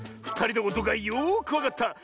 ふたりのことがよくわかった。